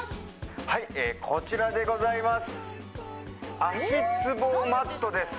はいこちらでございますです